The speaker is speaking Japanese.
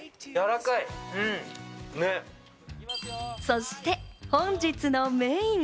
そして本日のメイン。